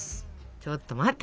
ちょと待って。